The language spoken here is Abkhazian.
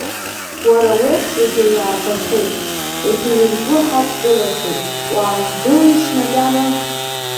Уара уеиԥш егьаҩ аабахьеит, егьаҩгьы ргәы ҳақәгыла-хьеит, уаангылишь макьана…